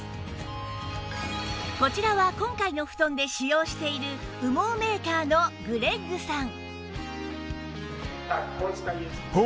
こちらは今回の布団で使用している羽毛メーカーのグレッグさん